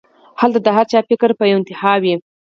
هلته د هر چا فکر پۀ يوه انتها وي